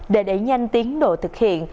để đẩy nhanh tiến độ thực hiện